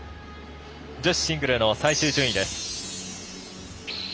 女子シングルの最終順位です。